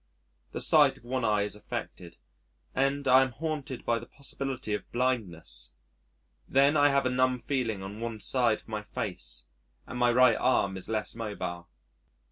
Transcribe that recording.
The sight of one eye is affected, and I am haunted by the possibility of blindness. Then I have a numb feeling on one side of my face, and my right arm is less mobile.